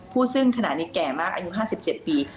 ซึ่งขณะนี้แก่มากอายุ๕๗ปี